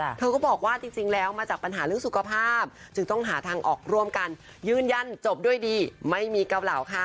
เธอก็บอกว่าจริงจริงแล้วมาจากปัญหาเรื่องสุขภาพจึงต้องหาทางออกร่วมกันยืนยันจบด้วยดีไม่มีเกาเหล่าค่ะ